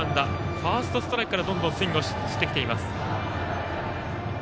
ファーストストライクからどんどんスイングをしてきています。